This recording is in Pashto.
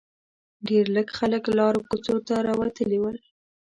ډېر لږ خلک لارو کوڅو ته راوتلي ول.